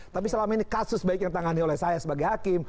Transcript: tapi selama ini kasus baik yang ditangani oleh saya sebagai hakim